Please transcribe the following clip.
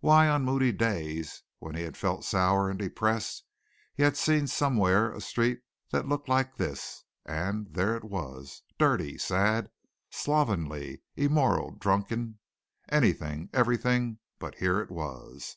Why, on moody days when he had felt sour and depressed he had seen somewhere a street that looked like this, and there it was dirty, sad, slovenly, immoral, drunken anything, everything, but here it was.